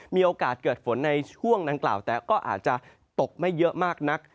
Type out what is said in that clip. มีโอกาสเกิดฝนในช่วงดังกล่าวแต่ก็อาจจะตกไม่เยอะมากนัก